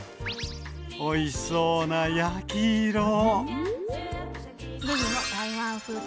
おいしそうな焼き色！